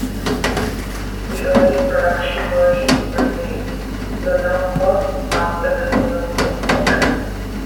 The early production version was named "Lunokhod" after the Lunokhod programme.